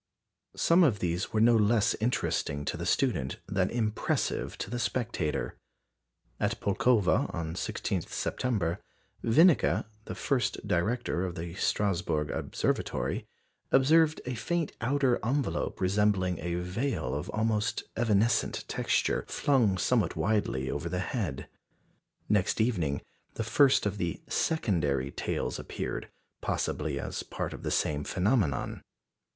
Some of these were no less interesting to the student than impressive to the spectator. At Pulkowa, on the 16th September, Winnecke, the first director of the Strasburg Observatory, observed a faint outer envelope resembling a veil of almost evanescent texture flung somewhat widely over the head. Next evening, the first of the "secondary" tails appeared, possibly as part of the same phenomenon.